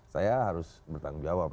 saya harus bertanggung jawab